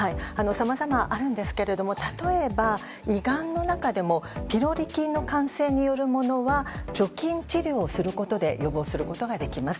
さまざま、あるんですけども例えば、胃がんの中でもピロリ菌の感染によるものは除菌治療をすることで予防することができます。